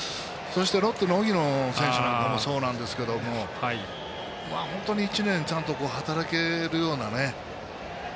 そして、ロッテの荻野選手なんかもそうなんですけど本当に１年ちゃんと働けるようなね。